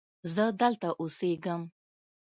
زه دلته اوسیږم.